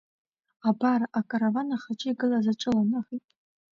Абар, акараван ахаҿы игылаз аҿыланахеит.